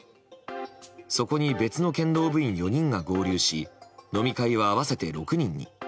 そこに別の剣道部員４人が合流し飲み会は合わせて６人に。